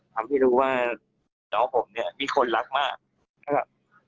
ทำให้รู้ว่าน้องผมเนี่ยมีคนรักมากนะครับ